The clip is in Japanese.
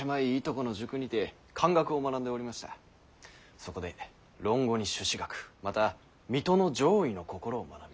そこで論語に朱子学また水戸の攘夷の心を学び。